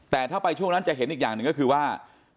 แต่ถ้าไปช่วงนั้นจะเห็นอีกอย่างหนึ่งก็คือว่า